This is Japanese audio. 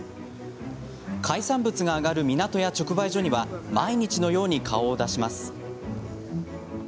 海産物が揚がる港や直売所には毎日のように顔を出します。